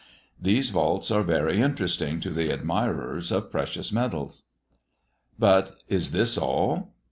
These vaults are very interesting to the admirers of precious metals. But is this all?